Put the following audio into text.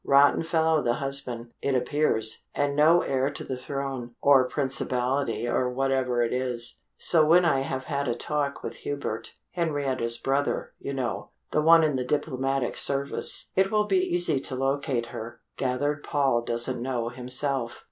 Rotten fellow the husband, it appears, and no heir to the throne, or principality, or whatever it is so when I have had a talk with Hubert Henrietta's brother, you know the one in the Diplomatic Service, it will be easy to locate her gathered Paul doesn't know himself."